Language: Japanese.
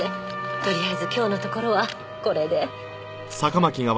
とりあえず今日のところはこれで。